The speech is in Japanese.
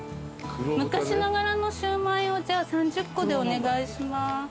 昔ながらのシウマイをじゃあ３０個でお願いします。